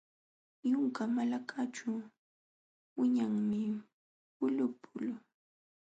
Yunka malakaćhu wiñanmi pulupulu.